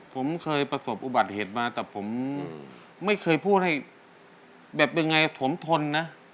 ผมเคยประสบอุบัติเหตุมาแต่ผมไม่เคยพูดให้แบบยังไงผมทนนะ